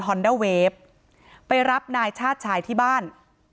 อนเดอร์เวฟไปรับนายชาติชายที่บ้าน